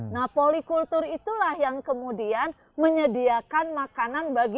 nah polikultur itulah yang kemudian menyediakan makanan yang lebih baik